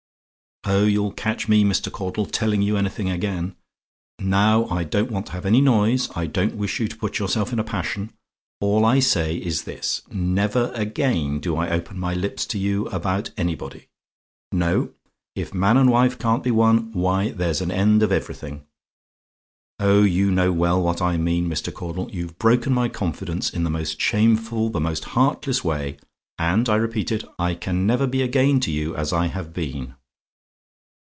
"O you'll catch me, Mr. Caudle, telling you anything again. Now, I don't want to have any noise: I don't wish you to put yourself in a passion. All I say is this; never again do I open my lips to you about anybody. No: if man and wife can't be one, why there's an end of everything. Oh, you know well what I mean, Mr. Caudle: you've broken my confidence in the most shameful, the most heartless way, and I repeat it I can never be again to you as I have been.